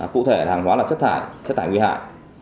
cụ thể hàng hóa là chất thải chất thải nguy hại